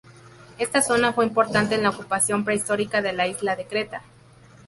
Esta zona fue importante en la ocupación prehistórica de la isla de Creta.